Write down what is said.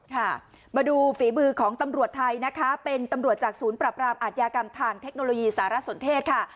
ค่ะมาดูฝีมือของตำรวจไทยนะคะเป็นตำรวจจากศูนย์ปรับรามอาทยากรรมทางเทคโนโลยีสารสนเทศค่ะ